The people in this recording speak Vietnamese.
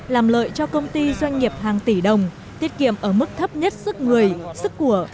làm lợi cho công ty doanh nghiệp hàng tỷ đồng tiết kiệm ở mức thấp nhất sức người sức của